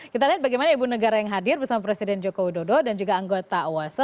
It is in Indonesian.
kita lihat bagaimana ibu negara yang hadir bersama presiden joko widodo dan juga anggota owasa